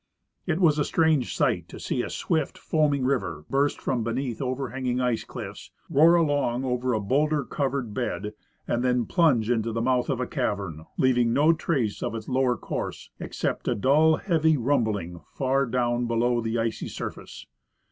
It was a strange sight to see a swift, foaming river burst from beneath overhanging ice cliffs, roar along over a bowlder covered bed, and then plunge into the mouth of a cavern, leaving no trace of its lower course except a dull, heavy rum bling far down below the icy surface.